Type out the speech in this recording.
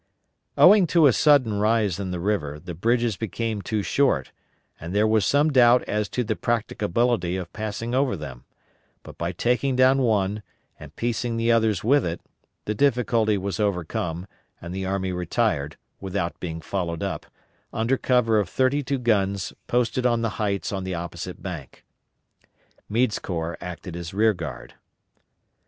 Owing to a sudden rise in the river the bridges became too short, and there was some doubt as to the practicability of passing over them, but by taking down one, and piecing the others with it, the difficulty was overcome and the army retired, without being followed up, under cover of thirty two guns posted on the heights on the opposite bank. Meade's corps acted as rear guard.